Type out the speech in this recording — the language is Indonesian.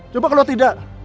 coba kalau tidak